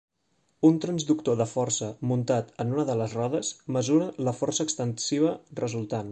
Un transductor de força muntat en una de les rodes, mesura la força extensiva resultant.